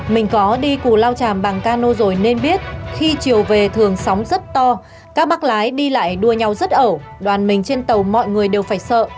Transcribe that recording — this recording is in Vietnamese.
mình có đi cù lao tràm bằng cano rồi nên biết khi chiều về thường sóng rất to các bác lái đi lại đua nhau rất ẩu đoàn mình trên tàu mọi người đều phải sợ